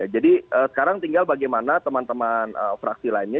jadi sekarang tinggal bagaimana teman teman fraksi lainnya